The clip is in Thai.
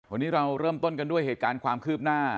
วันนี้เราเริ่มต้นกันด้วยเหตุการณ์ความคืบหน้า